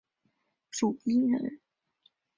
汝阴人。